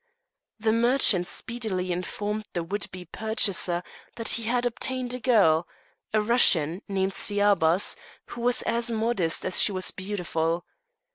The merchant speedily informed the would be purchaser that he had obtained a girl a Russian, named Sciabas who was as modest as she was beautiful.